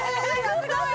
やったー！